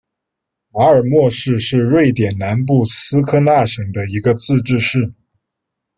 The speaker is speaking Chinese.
马尔默市是瑞典南部斯科讷省的一个自治市。